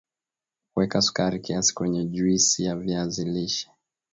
weka sukari kiasi kwenye juisi ya viazi lishe